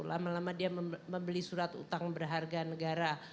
lama lama dia membeli surat utang berharga negara